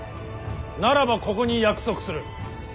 ならばここに約束する。